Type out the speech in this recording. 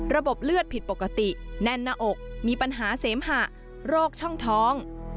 ระบบเลือดผิดปกติแน่นหน้าอกมีปัญหาเสมหะโรคช่องท้อง